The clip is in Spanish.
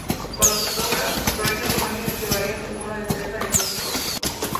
Cuando se toca, se proyectan imágenes que varían según la destreza del músico.